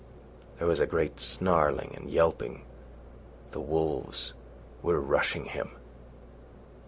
There was a great snarling and yelping. The wolves were rushing him.